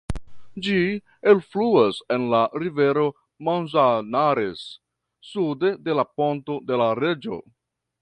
Ĝi elfluas en la rivero Manzanares, sude de la Ponto de la Reĝo.